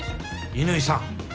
乾さん